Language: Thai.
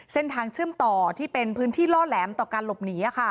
เส้นทางเชื่อมต่อที่เป็นพื้นที่ล่อแหลมต่อการหลบหนี